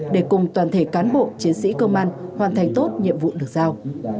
để cùng toàn thể cán bộ chiến sĩ công an hoàn thành tốt nhiệm vụ được giao